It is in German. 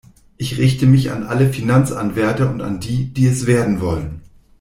Ich richte mich an alle Finanzanwärter und an die, die es werden wollen.